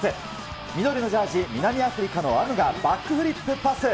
緑のジャージ、南アフリカのアムが、バックフリップパス。